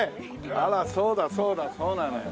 あらそうだそうだそうなのよ。